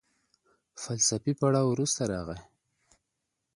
فلسفي پړاو وروسته راغی.